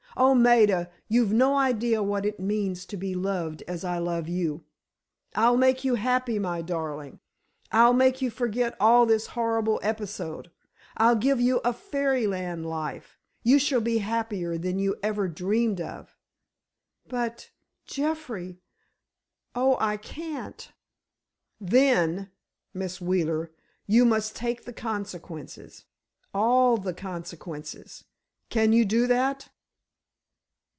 Oh, Maida, you've no idea what it means to be loved as I love you! I'll make you happy, my darling! I'll make you forget all this horrible episode; I'll give you a fairyland life. You shall be happier than you ever dreamed of." "But—Jeffrey—oh, I can't." "Then—Miss Wheeler, you must take the consequences—all the consequences. Can you do that?"